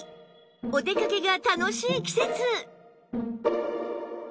お出かけが楽しい季節